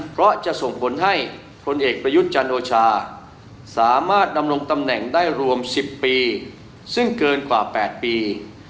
เพราะจะส่งผลให้พลเอกประยุทธ์จันโอชาสามารถดำรงตำแหน่งได้รวม๑๐ปีซึ่งเกินกว่า๘ปี